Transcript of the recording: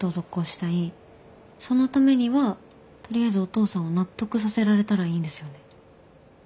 そのためにはとりあえずお父さんを納得させられたらいいんですよね。